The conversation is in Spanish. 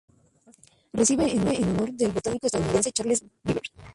Recibe el nombre en honor del botánico estadounidense Charles V. Piper.